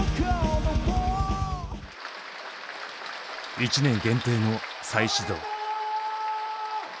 １年限定の再始動。